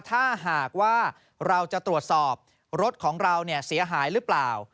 ถ้าหากว่าเราจะตรวจสอบรถของเราเสียหายหรือเปล่า